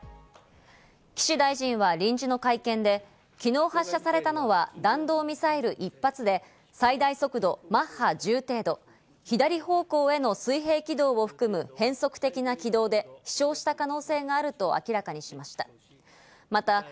岸大臣は臨時の会見で、昨日発射されたのは弾道ミサイル１発で、最大速度マッハ１０程度、左方向への水平軌道を含む変則的な軌道で飛翔した可能性があると明らかにしました。